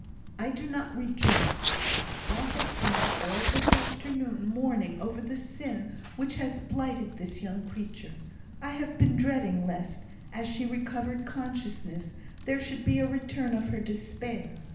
"I do not rejoice. I have been all this afternoon mourning over the sin which has blighted this young creature; I have been dreading lest, as she recovered consciousness, there should be a return of her despair.